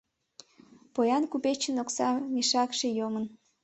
Поян купечын окса мешакше йомын.